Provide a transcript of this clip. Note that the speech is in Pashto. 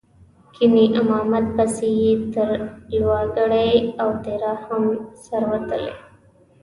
ګنې امامت پسې یې تر لواړګي او تیرا هم سر وتلی و.